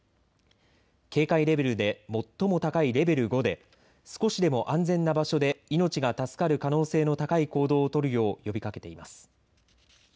警戒レベルで最も高いレベル５で少しでも安全な場所で命が助かる可能性の高い行動を取るよう呼びかけています。